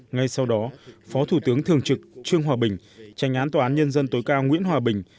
ngay sau đó phó thủ tướng thường trực trương hòa bình tranh án tòa án nhân dân tối cao nguyễn hòa bình